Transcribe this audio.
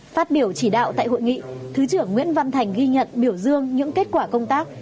phát biểu chỉ đạo tại hội nghị thứ trưởng nguyễn văn thành ghi nhận biểu dương những kết quả công tác